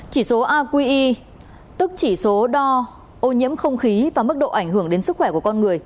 chỉ số aqi tức chỉ số đo ô nhiễm không khí và mức độ ảnh hưởng đến sức khỏe của con người